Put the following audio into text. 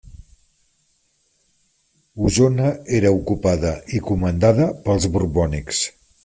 Osona era ocupada i comandada pels borbònics.